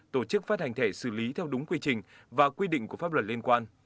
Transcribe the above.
tổ chức phát hành thẻ xử lý theo đúng quy trình và quy định của pháp luật liên quan